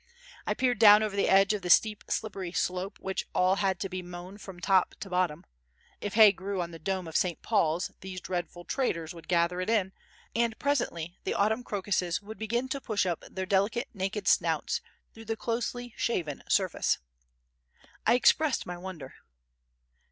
I peered down over the edge of the steep slippery slope which all had to be mown from top to bottom; if hay grew on the dome of St. Paul's these dreadful traders would gather it in, and presently the autumn crocuses would begin to push up their delicate, naked snouts through the closely shaven surface. I expressed my wonder.